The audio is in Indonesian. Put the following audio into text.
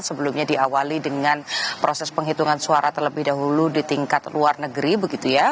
sebelumnya diawali dengan proses penghitungan suara terlebih dahulu di tingkat luar negeri begitu ya